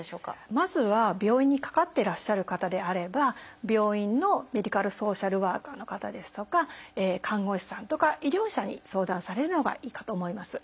まずは病院にかかっていらっしゃる方であれば病院のメディカルソーシャルワーカーの方ですとか看護師さんとか医療者に相談されるのがいいかと思います。